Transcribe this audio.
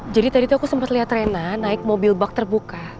jadi tadi tuh aku sempet liat rena naik mobil bak terbuka